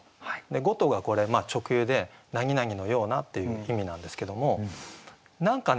「ごと」がこれ直喩で「なになにのような」っていう意味なんですけども何かね